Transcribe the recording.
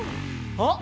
あっ！